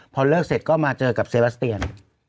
พอเลิกเสร็จก็มาเจอกับเซบาสเตียน